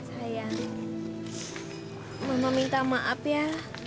sayang mama minta maaf ya